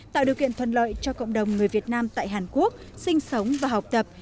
tạo điều kiện thuận lợi cho cộng đồng người việt nam tại hàn quốc sinh sống và học tập